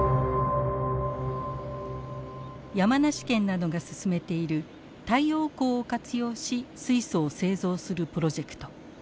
山梨県などが進めている太陽光を活用し水素を製造するプロジェクト。